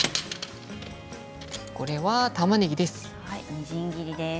これは、たまねぎです。